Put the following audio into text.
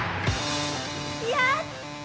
やった！